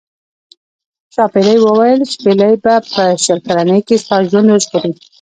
ښاپیرۍ وویل شپیلۍ به په شل کلنۍ کې ستا ژوند وژغوري.